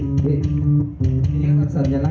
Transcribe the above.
เฮ้ยเฮ้ยนี่คือสัญลักษณ์ของหัวใจครับ